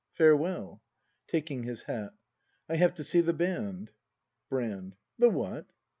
Farewell. [Taking his hat.] I have to see the band. 183 The what